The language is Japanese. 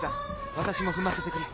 私も踏ませてくれ。